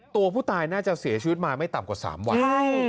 ตัวผู้ตายน่าจะเสียชีวิตมาไม่ต่ำกว่า๓วัน